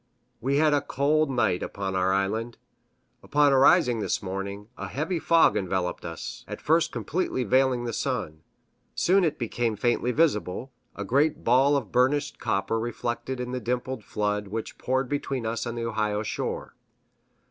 We had a cold night upon our island. Upon arising this morning, a heavy fog enveloped us, at first completely veiling the sun; soon it became faintly visible, a great ball of burnished copper reflected in the dimpled flood which poured between us and the Ohio shore.